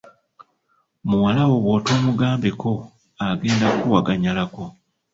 Muwala wo bw'otoomugambeko, agenda kkuwaganyalako.